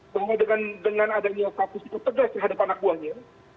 bahwa dengan adanya status yang tegas terhadap anak buahnya